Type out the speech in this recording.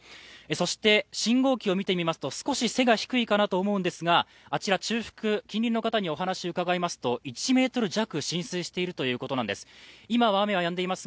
そして、信号機を見てみますと少し背が低いかなと思うんですがあちら中腹、近隣の方にお話を聞きますと１ｍ弱、浸水しているということなんです。